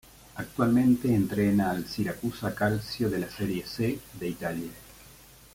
Actualmente entrena al Siracusa Calcio de la Serie C de Italia.